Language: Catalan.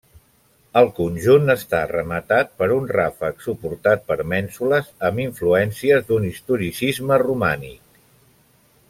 El conjunt està rematat per un ràfec suportat per mènsules amb influències d'un historicisme romànic.